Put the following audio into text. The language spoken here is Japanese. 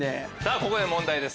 ここで問題です！